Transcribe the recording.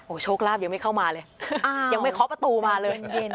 โอ้โชคลาบยังไม่เข้ามาเลยยังไปเข้าประตูมาเลย